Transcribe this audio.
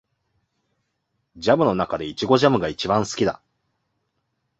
ジャムの中でイチゴジャムが一番好きだ